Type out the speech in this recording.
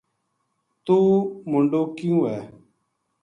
توہ منڈو کیوں ہے